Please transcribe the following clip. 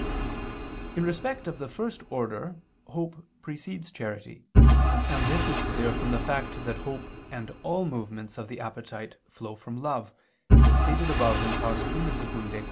In respect of the first order hope precedes charity: and this is clear from the fact that hope and all movements of the appetite flow from love, as stated above (I II, Q.